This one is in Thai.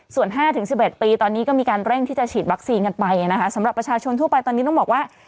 ส่วน๕๑๑ปีตอนนี้ก็มีการเร่งที่จะฉีดวัคซีนกันไปนะคะสำหรับประชาชนทั่วไปตอนนี้ต้องบอกว่า